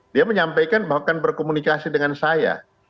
dia menyampaikan bahwa akan berkomunikasi dengan saya